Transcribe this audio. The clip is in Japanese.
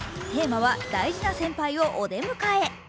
テーマは大事な先輩をお出迎え。